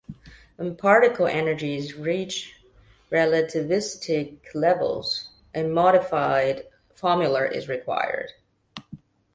When particle energies reach relativistic levels, a modified formula is required.